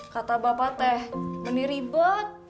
kata bapak teh ini ribet